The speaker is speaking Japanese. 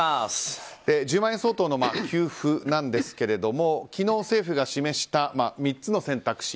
１０万円相当の給付なんですが昨日、政府が示した３つの選択肢